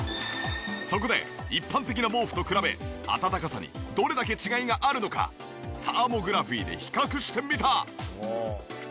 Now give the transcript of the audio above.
そこで一般的な毛布と比べ暖かさにどれだけ違いがあるのかサーモグラフィーで比較してみた。